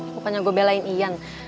bukannya gua belain ian